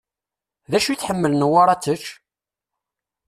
D acu i tḥemmel Newwara ad t-tečč?